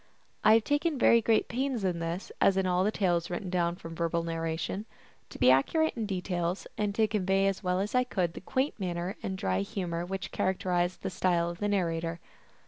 I have taken very great pains in this, as in all the tales written down from verbal narration, to be accurate in details, and to convey as well as I could the quaint manner and dry humor which characterized the style of the narrator.